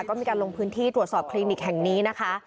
ก็มีการลงพื้นที่ตรวจสอบคลินิกแห่งนี้นะคะ